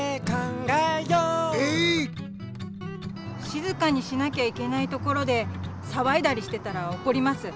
しずかにしなきゃいけないところでさわいだりしてたらおこります。